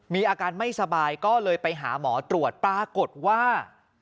มีอาการไม่สบายก็เลยไปหาหมอตรวจปรากฏว่า